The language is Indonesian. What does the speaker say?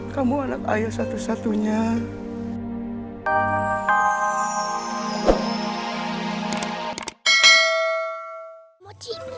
kamu anak ayam satu satunya